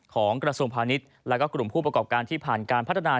กระทรวงพาณิชย์แล้วก็กลุ่มผู้ประกอบการที่ผ่านการพัฒนา